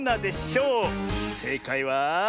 せいかいは。